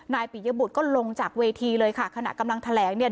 ปิยบุตรก็ลงจากเวทีเลยค่ะขณะกำลังแถลงเนี่ย